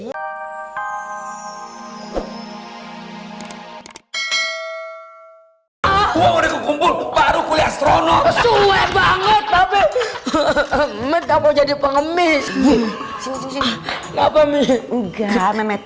ah udah kumpul baru kuliah astronot banget tapi enggak mau jadi pengemis